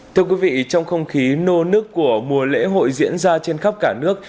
thưa quý vị trong không khí nô nước của mùa lễ hội diễn ra trên khắp cả nước